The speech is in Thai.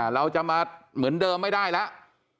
เราจะมาเหมือนเดิมไม่ได้แล้ว